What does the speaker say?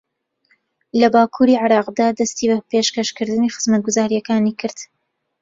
لە باکووری عێراقدا دەستی بە پێشەکەشکردنی خزمەتگوزارییەکانی کرد